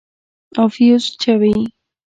او فيوز چوي.